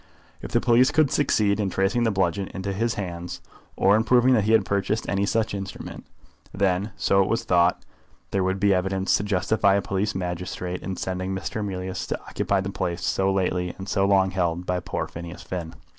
If the police could succeed in tracing the bludgeon into his hands, or in proving that he had purchased any such instrument, then, so it was thought, there would be evidence to justify a police magistrate in sending Mr. Emilius to occupy the place so lately and so long held by poor Phineas Finn.